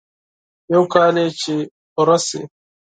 يو کال يې چې پوره شي.